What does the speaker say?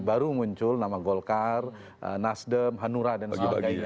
baru muncul nama golkar nasdem hanura dan sebagainya